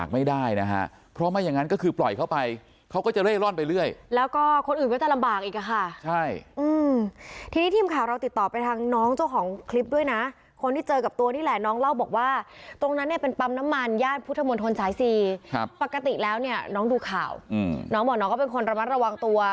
ไม่ได้นะฮะเพราะไม่อย่างนั้นก็คือปล่อยเข้าไปเขาก็จะเล่นร่อนไปเรื่อยแล้วก็คนอื่นก็จะลำบากอีกอ่ะค่ะใช่ทีทีมข่าวเราติดต่อไปทางน้องเจ้าของคลิปด้วยนะคนที่เจอกับตัวนี่แหละน้องเล่าบอกว่าตรงนั้นเนี่ยเป็นปั๊มน้ำมันญาติพุทธมณฑลสายซีปกติแล้วเนี่ยน้องดูข่าวน้องบอกน้องก็เป็นคนระมัดระวังตัว